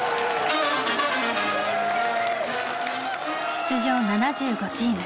出場７５チーム。